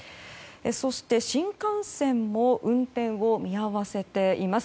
そして、新幹線も運転を見合わせています。